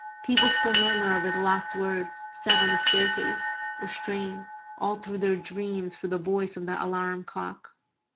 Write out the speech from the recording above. People still murmur over the last word said on the staircase, or strain, all through their dreams, for the voice of the alarum clock.